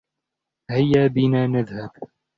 هيا بنا نذهب.